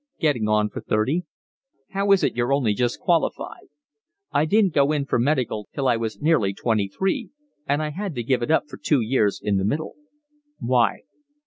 "Getting on for thirty." "How is it you're only just qualified?" "I didn't go in for the medical till I was nearly twenty three, and I had to give it up for two years in the middle." "Why?"